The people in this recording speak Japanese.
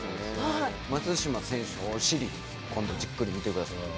松島選手のお尻今度じっくり見てください。